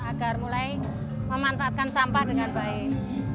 agar mulai memanfaatkan sampah dengan baik